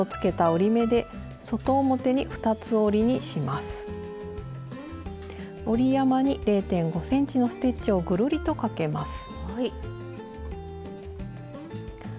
折り山に０．５ｃｍのステッチをぐるりとかけます。